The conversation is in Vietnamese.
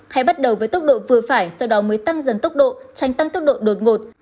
hay bắt đầu với tốc độ vừa phải sau đó mới tăng dần tốc độ tranh tăng tốc độ đột ngột